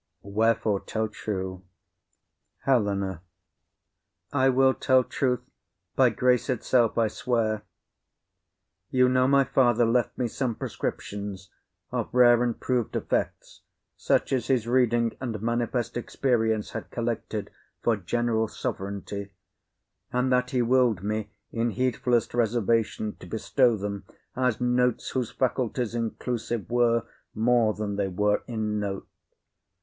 Wherefore? tell true. HELENA. I will tell truth; by grace itself I swear. You know my father left me some prescriptions Of rare and prov'd effects, such as his reading And manifest experience had collected For general sovereignty; and that he will'd me In heedfull'st reservation to bestow them, As notes whose faculties inclusive were More than they were in note.